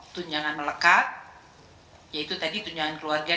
tunjangan melekat yaitu tadi tunjangan keluarga